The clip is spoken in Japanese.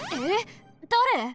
えっだれ！？